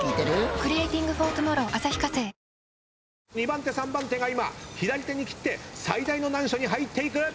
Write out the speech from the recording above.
２番手３番手が今左手に切って最大の難所に入っていく。